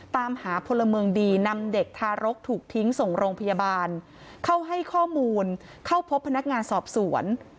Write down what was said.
ตามหาพลเมืองดีนำเด็กทารกถูกทิ้งส่งโรงพยาบาลเข้าให้ข้อมูลเข้าพบพนักงานสอบสวน